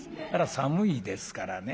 寒いですからね